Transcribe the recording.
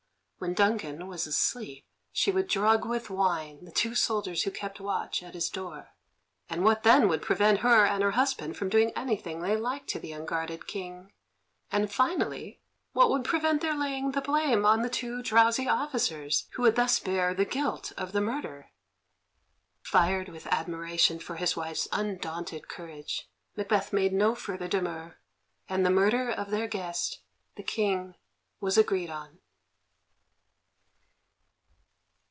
When Duncan was asleep, she would drug with wine the two soldiers who kept watch at his door, and what then would prevent her and her husband doing anything they liked to the unguarded King? And, finally, what would prevent their laying the blame on the two drowsy officers, who would thus bear the guilt of the murder? Fired with admiration for his wife's undaunted courage, Macbeth made no further demur, and the murder of their guest, the King, was agreed on.